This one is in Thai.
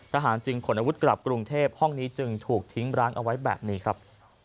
จึงขนอาวุธกลับกรุงเทพห้องนี้จึงถูกทิ้งร้างเอาไว้แบบนี้ครับ